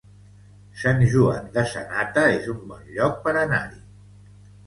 Sant Joan de Sanata és un bon lloc per anar-hi